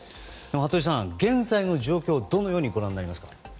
服部さん、現在の状況をどのようにご覧になりますか。